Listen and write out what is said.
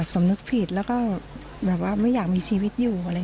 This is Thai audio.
สมนึกผิดแล้วก็ไม่อยากมีชีวิตอยู่